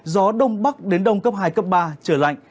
gió đông bắc đến đông cấp hai cấp ba trời lạnh